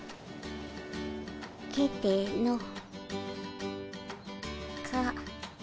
けての。か。